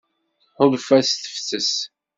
Tḥulfa s tefses.